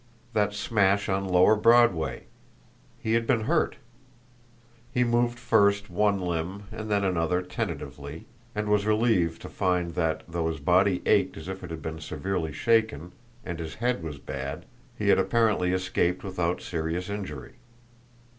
That smash on Lower Broadway! He had been hurt. He moved first one limb and then another tentatively, and was relieved to find that, though his body ached as if it had been severely shaken, and his head was bad, he had apparently escaped without serious injury.